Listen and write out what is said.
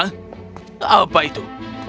hah apa itu